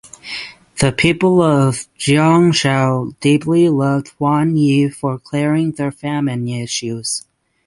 The people of Jiangzhou deeply loved Huan Yi for clearing their famine issues.